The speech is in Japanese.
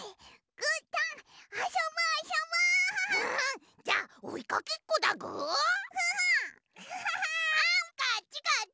うーたんこっちこっち！